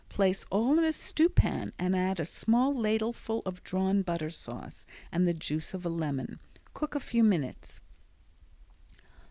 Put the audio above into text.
Place all in a stewpan and add a small ladleful of drawn butter sauce, and the juice of a lemon. Cook a few minutes.